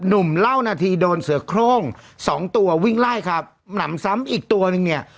หนุ่มเล่านาทีโดนเสือโครงสองตัววิ่งไล่ครับหนำซ้ำอีกตัวนึงเนี่ย